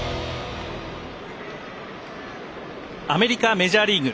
アメリカメジャーリーグ。